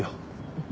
うん。